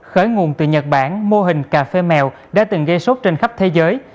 khởi nguồn từ nhật bản mô hình cà phê mèo đã từng gây sốt trên khắp thế giới